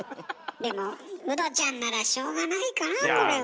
でもウドちゃんならしょうがないかなこれは。